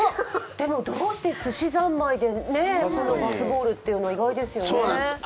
でもどうしてすしざんまいでバスボール、意外ですよね。